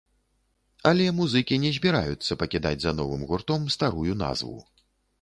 Але музыкі не збіраюцца пакідаць за новым гуртом старую назву.